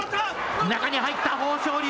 中に入った豊昇龍。